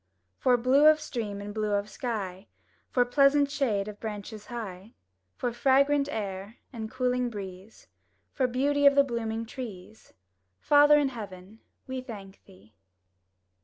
For blue of stream and blue of sky; For pleasant shade of branches high; For fragrant air and cooling breeze; For beauty of the blooming trees, Father in heaven, we thank Thee!